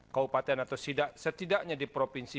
kabupaten atau setidaknya di provinsi